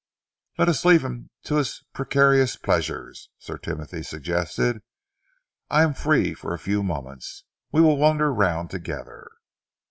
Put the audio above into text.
"Let us leave him to his precarious pleasures," Sir Timothy suggested. "I am free for a few moments. We will wander round together."